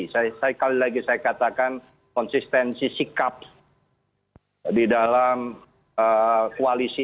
sekali lagi saya katakan konsistensi sikap di dalam koalisi